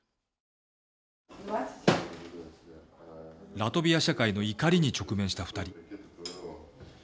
ラトビア社会の怒りに直面した２人。